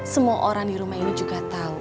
semua orang di rumah ini juga tahu